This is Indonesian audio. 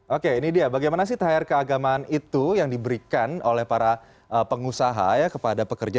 oke ini dia bagaimana sih thr keagamaan itu yang diberikan oleh para pengusaha ya kepada pekerja